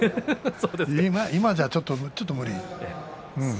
今じゃ、ちょっと無理。